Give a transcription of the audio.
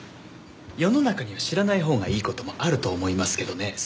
世の中には知らないほうがいい事もあると思いますけどね